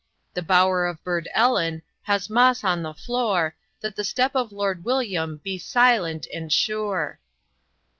The bower of Burd Ellen Has moss on the floor, That the step of Lord William Be silent and sure.